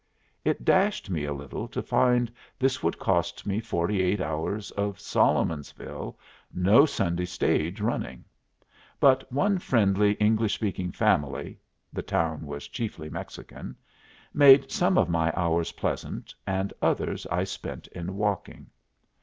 It dashed me a little to find this would cost me forty eight hours of Solomonsville, no Sunday stage running. But one friendly English speaking family the town was chiefly Mexican made some of my hours pleasant, and others I spent in walking.